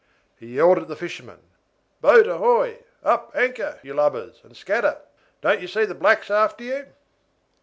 He yelled at the fishermen, "Boat ahoy! up anchor, you lubbers, and scatter. Don't you see the blacks after you?"